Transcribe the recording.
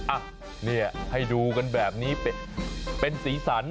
อ่ะนี่ให้ดูกันแบบนี้เป็นสีสัน